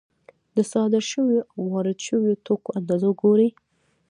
د صادر شویو او وارد شویو توکو اندازه ګوري